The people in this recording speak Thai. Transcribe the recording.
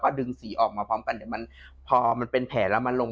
ดึงสีออกมาพร้อมกันเดี๋ยวมันพอมันเป็นแผลแล้วมันลง